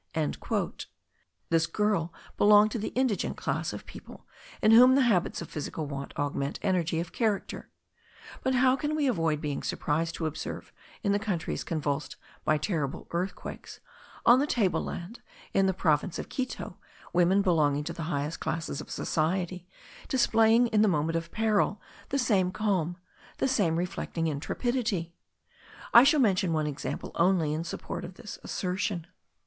This girl belonged to the indigent class of the people, in whom the habits of physical want augment energy of character; but how can we avoid being surprised to observe in the countries convulsed by terrible earthquakes, on the table land of the province of Quito, women belonging to the highest classes of society display in the moment of peril, the same calm, the same reflecting intrepidity? I shall mention one example only in support of this assertion.